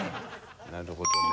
なるほどね。